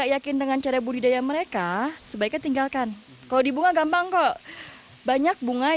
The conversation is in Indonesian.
rasanya sih rasa bunga